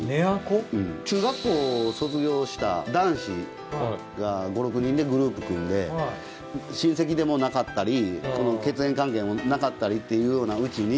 中学校を卒業した男子が５６人でグループ組んで親戚でもなかったり血縁関係もなかったりっていうような家に。